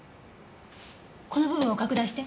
この部分を拡大して。